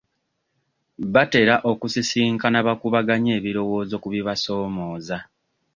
Batera okusisinkana bakubaganya ebirowooza ku bibasoomooza.